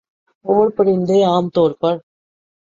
اورپرندے عام طور پر